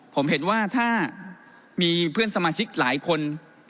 ผมเห็นว่าถ้ามีเพื่อนสมาชิกหลายคน